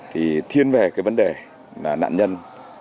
thì thiên về cái vấn đề là nạn nhân